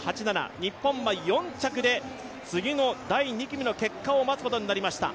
日本は４着で次の第２組の結果を待つことになりました。